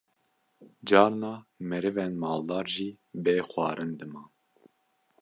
Carna merivên maldar jî bê xwarin diman